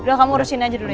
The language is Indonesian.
udah kamu urusin aja dulu ya